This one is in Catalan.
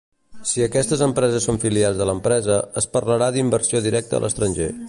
Si aquestes empreses són filials de l'empresa, es parlarà d'inversió directa a l'estranger.